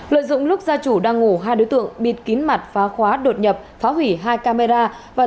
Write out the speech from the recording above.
lợi dụng lúc gia chủ đang ngủ hai đối tượng bịt kín mặt phá khóa đột nhập phá hủy hai camera